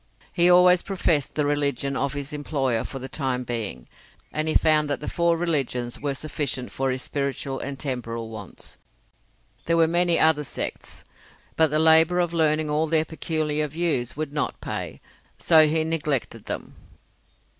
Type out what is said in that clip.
He always professed the religion of his employer for the time being, and he found that four religions were sufficient for his spiritual and temporal wants. There were many other sects, but the labour of learning all their peculiar views would not pay, so he neglected them.